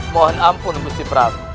mohon ampun gusti pram